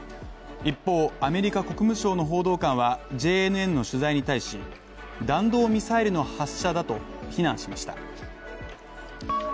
一方、アメリカ国務省の報道官はＪＮＮの取材に対し弾道ミサイルの発射だと非難しました。